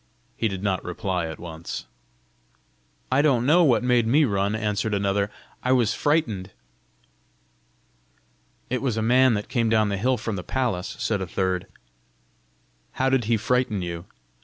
He did not reply at once. "I don't know what made me run," answered another. "I was frightened!" "It was a man that came down the hill from the palace," said a third. "How did he frighten you?"